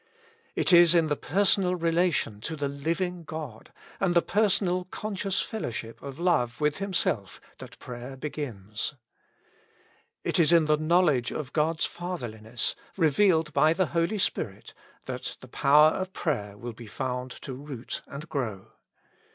It is in the personal relation to the living God, and the personal conscious fellowship of love with Himself that prayer begins. It is in the know ledge of God's Fatherliness, revealed by the Holy Spirit, that the power of prayer will be found to root and grow.